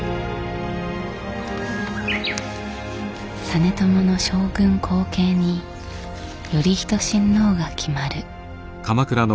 実朝の将軍後継に頼仁親王が決まる。